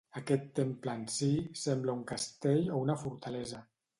Aquest temple en si, sembla un castell o una fortalesa.